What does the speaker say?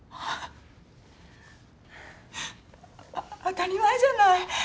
当たり前じゃない。